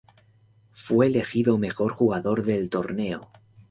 Fue elegido Mejor Jugador del Torneo.